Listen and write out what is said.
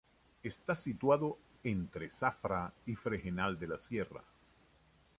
Está situado entre Zafra y Fregenal de la Sierra.